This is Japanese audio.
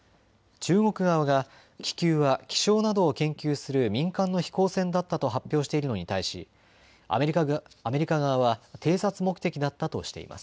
中国側が気球は気象などを研究する民間の飛行船だったと発表しているのに対しアメリカ側は偵察目的だったとしています。